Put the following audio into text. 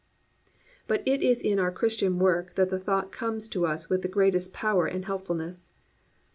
But it is in our Christian work that the thought comes to us with greatest power and helpfulness.